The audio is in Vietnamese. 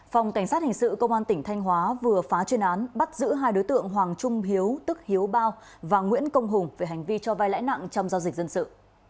phòng cảnh sát hình sự công an tỉnh thanh hóa vừa phá chuyên án bắt giữ hai đối tượng hoàng trung hiếu tức hiếu bao và nguyễn công hùng về hành vi cho vai lãi nặng trong giao dịch dân sự